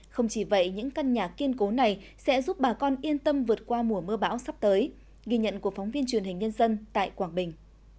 không chỉ vậy những căn nhà kiên cố này sẽ giúp bà con yên tâm vượt qua mùa mưa bão sắp tới ghi nhận của phóng viên truyền hình nhân dân tại quảng bình